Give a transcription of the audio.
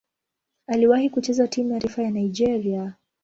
Aliwahi kucheza timu ya taifa ya Nigeria.